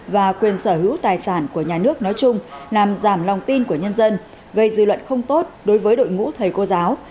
và quyền sở hữu tài sản của nhà nước nói chung làm giảm lòng tin của nhân dân gây dư luận không tốt đối với đội ngũ thầy cô giáo